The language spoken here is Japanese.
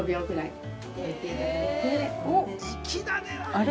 あれ？